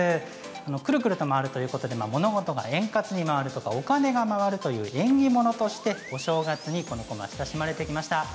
くるくる回るということで物事が円滑に回るお金が回るという縁起物でお正月に親しまれてきました。